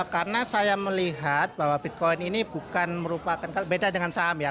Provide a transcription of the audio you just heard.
karena saya melihat bahwa bitcoin ini bukan merupakan beda dengan saham ya